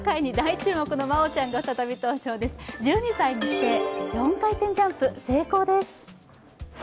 １２歳にして４回転ジャンプ、成功です。